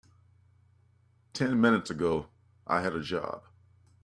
Ten minutes ago I had a job.